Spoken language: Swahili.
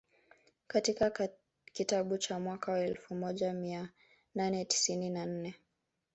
Katika kitabu cha mwaka wa elfu moja mia nane tisini na nne